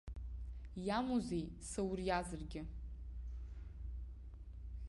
Иамоузеи сауриазаргьы.